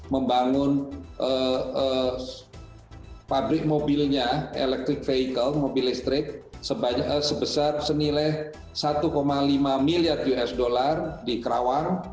membangun pabrik mobilnya electric vehicle mobil listrik sebesar senilai satu lima miliar usd di kerawang